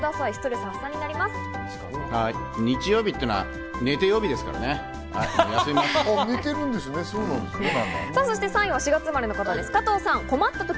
日曜日っていうのは寝て曜日ですからね。